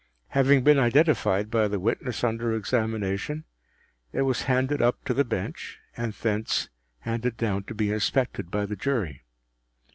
Having been identified by the witness under examination, it was handed up to the Bench, and thence handed down to be inspected by the Jury.